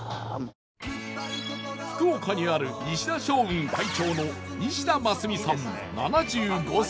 福岡にある「西田商運」会長の西田真寿美さん７５歳。